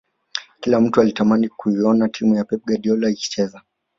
Kila mtu alitamani kuiona timu ya pep guardiola ikicheza